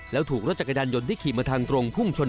แล้วถูกรถจักรยานยนต์ที่ขี่มาทางตรงพุ่งชน